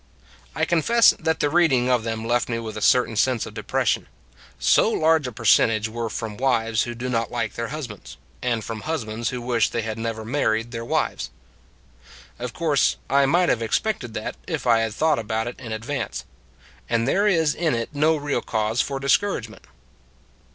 I confess that the reading of them left me with a certain sense of depression so large a percentage were from wives who do not like their husbands, and from husbands who wish they had never married their wives. Of course, I might have expected that, if I had thought about it in advance; and there is in it no real cause for discourage ment.